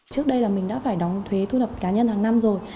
trước đây là mình đã phải đóng thuế thu nhập cá nhân hàng năm rồi